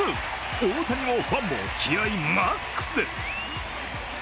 大谷も、ファンも、気合いマックスです。